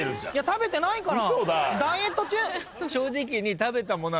食べてないから。